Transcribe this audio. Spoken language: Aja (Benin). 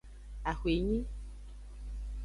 Axwenyi.